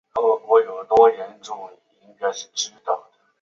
托林可以作为天体表面防止紫外线辐射的有效屏障。